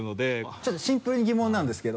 ちょっとシンプルに疑問なんですけど。